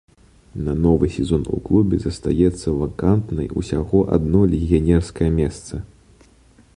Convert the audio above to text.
На новы сезон у клубе застаецца вакантнай усяго адно легіянерскае месца.